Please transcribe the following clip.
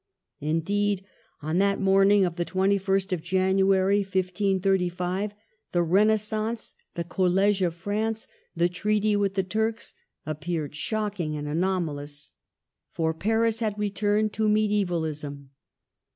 Indeed, on that morning of the 2 ist of January, 1535, the Renaissance, the College of France, the treaty with the Turks, appeared shocking and anoma lous ; for Paris had returned to medisevalism.